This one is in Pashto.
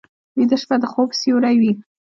ویده شپه د خوب سیوری وي